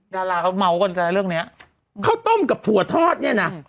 ดาราเขาเมาส์เรื่องเนี้ยข้าวต้มกับถั่วทอดเนี่ยนะ